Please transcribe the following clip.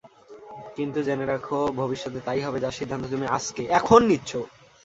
কিন্তু জেনে রাখো, ভবিষ্যতে তা-ই হবে, যার সিদ্ধান্ত তুমি আজকে, এখন নিচ্ছ।